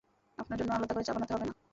আপনার জন্যে আলাদা করে চা বানাতে হবে না।